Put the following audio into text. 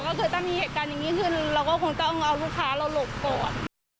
ก็คือถ้ามีเหตุการณ์อย่างนี้ขึ้นเราก็คงต้องเอาลูกค้าเราหลบก่อน